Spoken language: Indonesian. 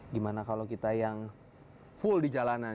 gimana kalau kita yang full di jalanan